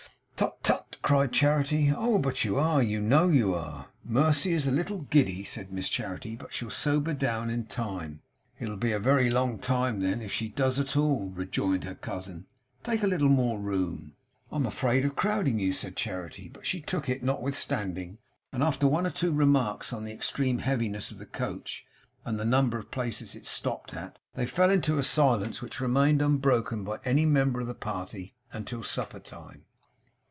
'Tut, tut!' cried Charity. 'Oh! But you are! You know you are!' 'Mercy is a little giddy,' said Miss Charity. But she'll sober down in time.' 'It'll be a very long time, then, if she does at all,' rejoined her cousin. 'Take a little more room.' 'I am afraid of crowding you,' said Charity. But she took it notwithstanding; and after one or two remarks on the extreme heaviness of the coach, and the number of places it stopped at, they fell into a silence which remained unbroken by any member of the party until supper time.